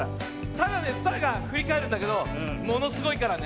ただねスターがふりかえるんだけどものすごいからね。